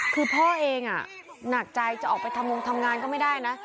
คือพ่อเองหนักใจจะออกไปทำงงทำงานก็ไม่ได้นะ